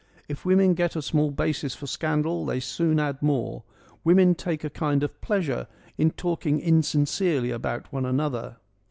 If women get a small basis for scandal they soon add more. Women take a kind of pleasure in talking insincerely about one another.'